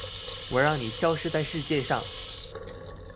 我讓你消失在世界上